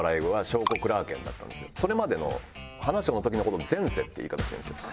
それまでのはなしょーの時の事を「前世」って言い方してるんですよ。